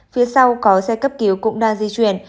phía sau có xe cấp cứu cũng đang di chuyển